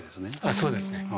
そうですね。